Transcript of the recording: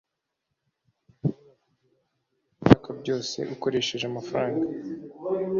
ntushobora kugura ibyo ushaka byose ukoresheje amafaranga